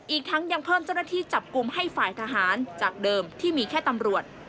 อีกทั้งยังเพิ่มเจ้าหน้าที่จับกลุ่มให้ฝ่ายทหารจากเดิมที่มีแค่ตำรวจ